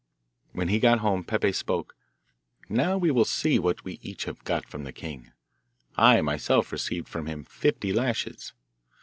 When he got home Peppe spoke: 'Now we will see what we each have got from the king. I myself received from him fifty lashes.